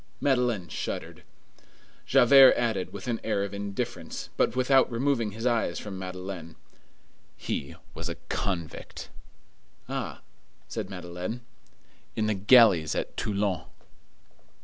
Madeleine shuddered. Javert added, with an air of indifference, but without removing his eyes from Madeleine:— "He was a convict." "Ah!" said Madeleine. "In the galleys at Toulon."